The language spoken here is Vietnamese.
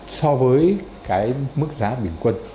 so với cái mức giá bình quân